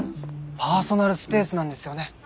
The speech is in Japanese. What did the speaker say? パーソナルスペースなんですよね。